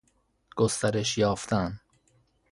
گسترش یافتن